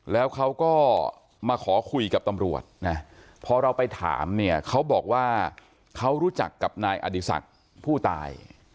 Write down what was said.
แล้วเขาก็มาขอคุยกับตำรวจนะพอเราไปถามเนี่ยเขาบอกว่าเขารู้จักกับนายอดีศักดิ์ผู้ตาย